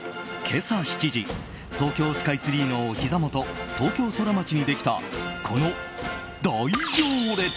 今朝７時東京スカイツリーのおひざ元東京ソラマチにできたこの大行列！